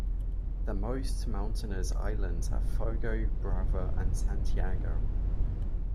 The most mountainous islands are Fogo, Brava and Santiago.